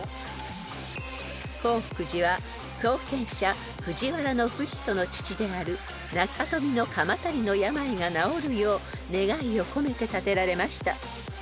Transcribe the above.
［興福寺は創建者藤原不比等の父であるなかとみのかまたりの病が治るよう願いを込めて建てられました］